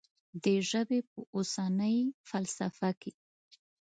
د ژبې په اوسنۍ فلسفه کې.